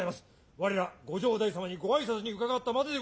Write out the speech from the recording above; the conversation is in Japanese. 我らご城代様にご挨拶に伺ったまででございます